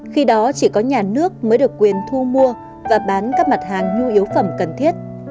khi đó chỉ có nhà nước mới được quyền thu mua và bán các mặt hàng nhu yếu phẩm cần thiết